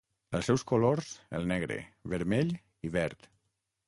Els seus colors el negre, vermell i verd.